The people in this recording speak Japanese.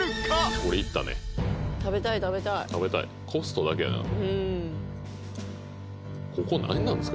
これいったね食べたい食べたい食べたいコストだけやなあとここ何なんですか？